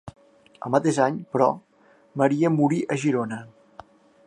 El mateix any, però, Maria morí a Girona.